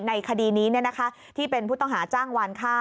ในคดีนี้ที่เป็นผู้ต้องหาจ้างวานค่า